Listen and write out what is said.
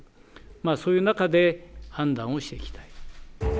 そういう中で判断をしていきたい。